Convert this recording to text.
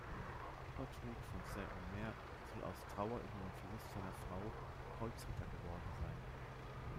Gottfried von Saint-Omer soll aus Trauer über den Verlust seiner Frau Kreuzritter geworden sein.